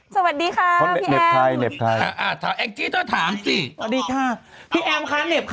สื่อสารให้ผมไปถึงคนนั้นเลยครับ